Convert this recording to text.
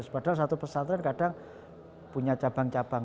padahal satu pesantren kadang punya cabang cabang